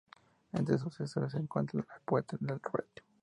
Entre sus sucesores se encuentra el poeta, el Rev.